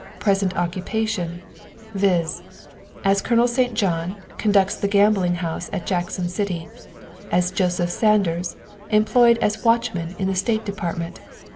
Present occupation, viz.: " As Colonel St. John, conducts gambling house at Jackson City. " As Joseph Sanders, employed as watchman in the State Department.